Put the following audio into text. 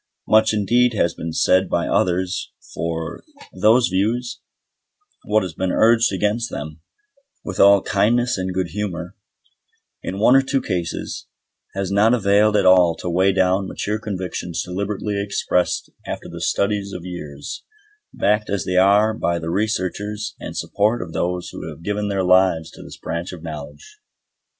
Much indeed has been said by others for those views; what has been urged against them, with all kindness and good humour, in one or two cases, has not availed at all to weigh down mature convictions deliberately expressed after the studies of years, backed as they are by the researches and support of those who have given their lives to this branch of knowledge.